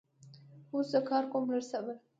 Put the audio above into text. اوس زه کار کوم لږ صبر